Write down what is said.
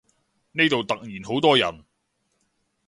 呢度突然好多人